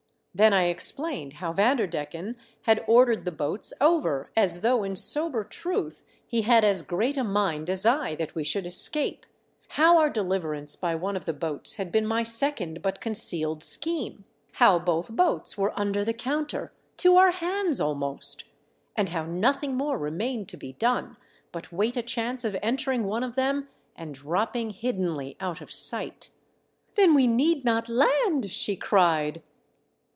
Then I explained how Van derdecken had ordered the boats over as thou2:h in sober truth he had as oreat a mind as I that we should escape ; how our deliver ance by one of the boats had been my second but concealed scheme ; how both boats were under the counter, to our hands almost ; and how nothing m.ore remained to be done but wait a chance of entering one of them and dropping hiddenly out of sight. " Then we need not land !" she cried.